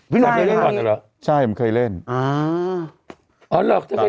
ใช่ไว้สิเคยเล่นหรอใช่ผมเคยเล่นอ๋อเอาล่ะจะไง